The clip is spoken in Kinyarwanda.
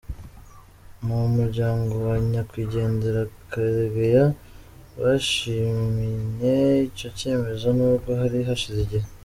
Mu muryango wa nyakwigendera Karegeya bashimye icyo cyemezo nubwo hari hashize igihe.